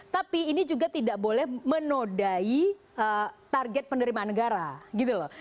tapi ini juga tidak boleh menodai target penerimaan negara gitu loh